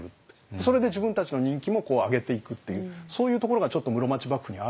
それで自分たちの人気も上げていくっていうそういうところがちょっと室町幕府にはあるんですよね。